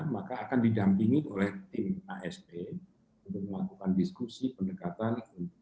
maka akan didampingi oleh tim asp untuk melakukan diskusi pendekatan